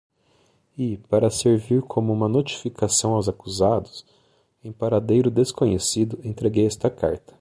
E, para servir como uma notificação aos acusados, em paradeiro desconhecido, entreguei esta carta.